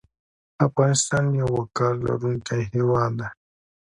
افغانستان یو وقار لرونکی هیواد ده